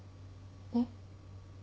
えっ？